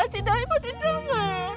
si dewi mau didengar